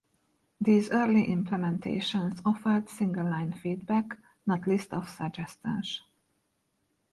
These early implementations offered single line feedback, not lists of suggestions.